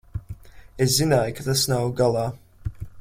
Es zināju, ka tas nav galā.